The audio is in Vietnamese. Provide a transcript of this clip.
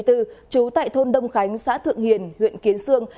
trú tại thôn đông khánh xã thượng hiền huyện kiến sương